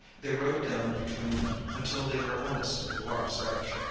They rode down between them until they were almost at the water's edge.